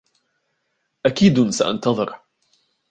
أكيد سأنتظر.